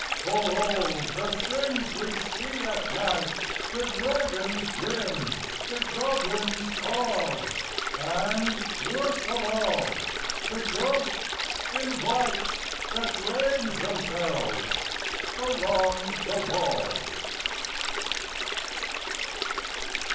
For O! the things we see at night The dragons grim, the goblins tall, And, worst of all, the ghosts in white That range themselves along the wall!